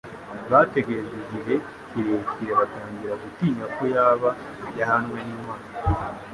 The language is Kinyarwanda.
Bategereje igihe kirekire, batangira gutinya ko yaba yahanwe n'Imana.